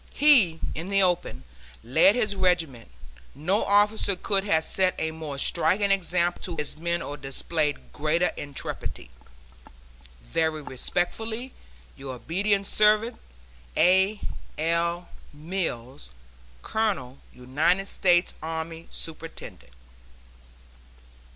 He, in the open, led his regiment; no officer could have set a more striking example to his men or displayed greater intrepidity. Very respectfully, Your obedient servant, A. L. MILLS, Colonel United States Army, Superintendent.